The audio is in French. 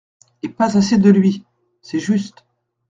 Et pas assez de lui… c’est juste.